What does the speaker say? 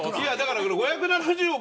５７０億